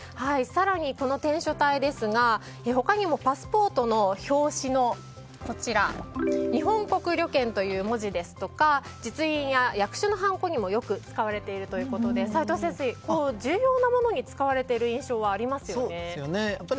更に、この篆書体ですが他にもパスポートの表紙の日本国旅券という文字ですとか実印や役所のハンコにもよく使われているということで齋藤先生、重要なものに使われている印象がありますよね。